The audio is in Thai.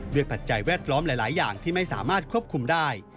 ปัจจัยแวดล้อมหลายอย่างที่ไม่สามารถควบคุมได้